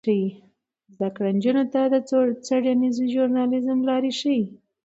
زده کړه نجونو ته د څیړنیز ژورنالیزم لارې ښيي.